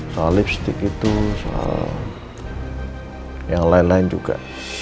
soal lipstick itu soal yang lain lain juga